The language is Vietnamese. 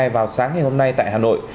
vào sáng ngày hôm nay tại hà nội